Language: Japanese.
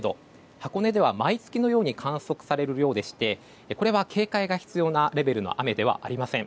箱根では毎月のように観測される量でしてこれは警戒が必要なレベルの雨ではありません。